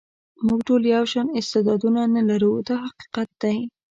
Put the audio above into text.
موږ ټول یو شان استعدادونه نه لرو دا حقیقت دی.